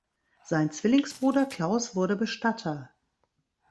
Sein Zwillingsbruder Klaus wurde Bestatter.